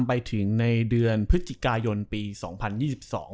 ไปถึงในเดือนพฤติกายนปี๒๐๐๐แสดง